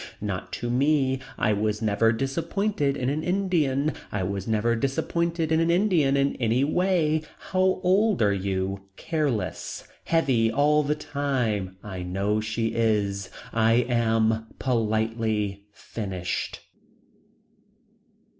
Not to me. I was never disappointed in an Indian. I was never disappointed in an Indian in any way. How old are you. Careless. Heavy all the time. I know she is. I am. Politely. Finished.